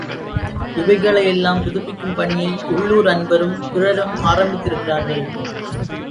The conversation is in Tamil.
இவைகளையெல்லாம் புதுப்பிக்கும் பணியை உள்ளூர் அன்பரும் பிறரும் ஆரம்பித்திருக்கிறார்கள்.